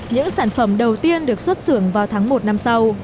những sản phẩm đầu tiên được xuất xưởng vào tháng một năm sau